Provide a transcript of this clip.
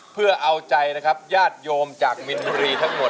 เพื่อเอาใจนะครับญาติโยมจากมินบุรีทั้งหมด